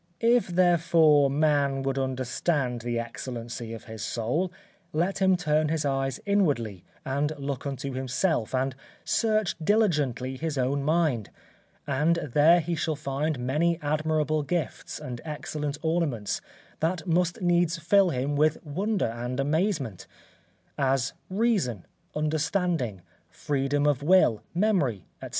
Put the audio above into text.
If, therefore, man would understand the excellency of his soul, let him turn his eyes inwardly and look unto himself and search diligently his own mind, and there he shall see many admirable gifts and excellent ornaments, that must needs fill him with wonder and amazement; as reason, understanding, freedom of will, memory, etc.